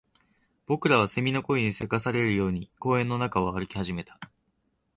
僕らは蝉の声に急かされるように公園の中を歩き始めた